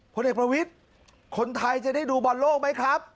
พลเอกประวิทย์คนไทยจะได้ดูบอลโลกไหมครับ